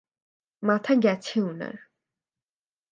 মাথা গেছে উনার।